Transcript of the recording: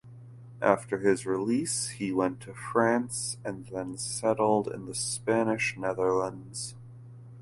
After his release he went to France and then settled in the Spanish Netherlands.